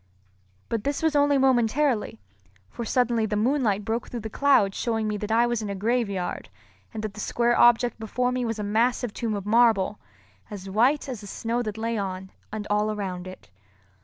But this was only momentarily; for suddenly the moonlight broke through the clouds showing me that I was in a graveyard and that the square object before me was a great massive tomb of marble, as white as the snow that lay on and all around it.